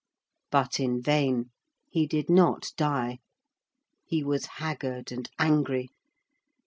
But in vain; he did not die. He was haggard and angry.